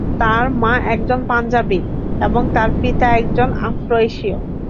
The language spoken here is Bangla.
তার মা একজন পাঞ্জাবি এবং তার পিতা একজন আফ্রো-এশীয়।